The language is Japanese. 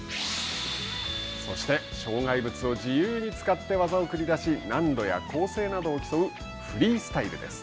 そして障害物を自由に使って技を繰り出し、難度や構成などを競う、フリースタイルです。